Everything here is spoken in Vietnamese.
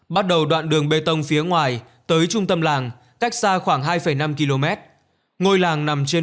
bắt đầu đoạn đường bê tông phía ngoài tới trung tâm làng cách xa khoảng hai năm km ngôi làng nằm trên